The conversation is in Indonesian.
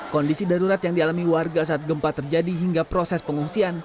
kondisi darurat yang dialami warga saat gempa terjadi hingga proses pengungsian